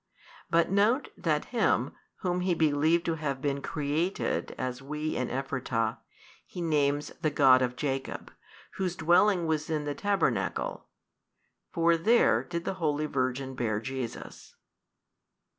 But note that Him, Whom he believed to have been created 34 as we in Ephratah, he names the God of Jacob, Whose dwelling was in the Tabernacle: for there did the holy Virgin bear Jesus.